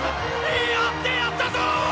やってやったぞ！